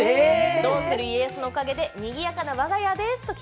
「どうする家康」のおかげでにぎやかな我が家です。